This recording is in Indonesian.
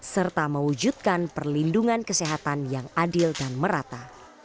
serta mewujudkan perlindungan kesehatan yang adil dan merata